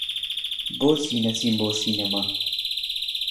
بۆچی نەچین بۆ سینەما؟